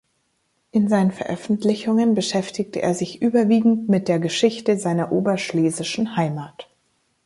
In seinen Veröffentlichungen beschäftigte er sich überwiegend mit der Geschichte seiner oberschlesischen Heimat.